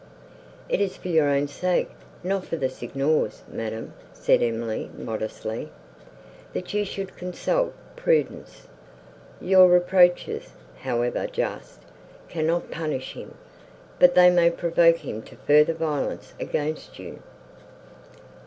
"It is for your own sake, not for the Signor's, madam," said Emily modestly, "that you should consult prudence. Your reproaches, however just, cannot punish him, but they may provoke him to further violence against you."